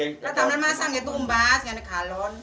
ini untuk dimasak untuk tumbas untuk kalon